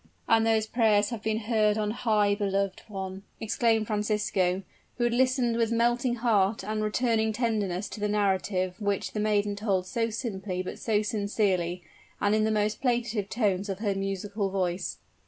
"And those prayers have been heard on high, beloved one, exclaimed Francisco, who had listened with melting heart and returning tenderness to the narrative which the maiden told so simply but so sincerely, and in the most plaintive tones of her musical voice.